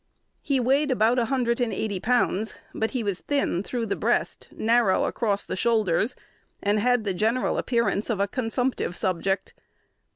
He weighed about a hundred and eighty pounds; but he was thin through the breast, narrow across the shoulders, and had the general appearance of a consumptive subject.